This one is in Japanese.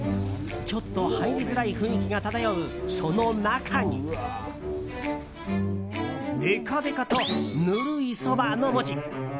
ちょっと入りづらい雰囲気が漂うその中にでかでかと「ぬるいそば」の文字。